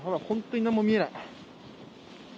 本当に何も見えない。